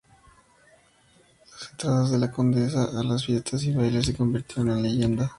Las entradas de la condesa a las fiestas y bailes se convirtieron en leyenda.